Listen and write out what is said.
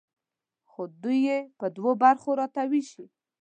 خو دوی یې په دوو برخو راته ویشي.